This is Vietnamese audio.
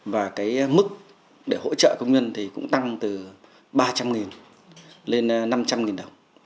và cái mức để hỗ trợ công nhân thì cũng tăng từ ba trăm linh lên năm trăm linh đồng